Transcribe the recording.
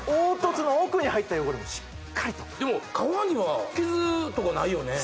凹凸の奥に入った汚れもしっかり取るでも皮には傷とかないよね